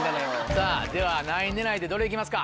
さぁでは何位狙いでどれ行きますか？